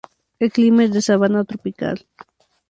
El clima es de sabana tropical.